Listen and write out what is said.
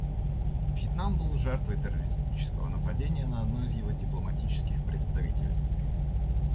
Вьетнам был жертвой террористического нападения на одно из его дипломатических представительств.